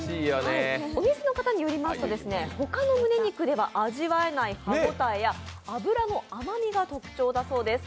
お店の方によりますと、他のむね肉では味わえない、脂の甘みが特徴だそうです。